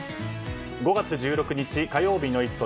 ５月１６日、火曜日の「イット！」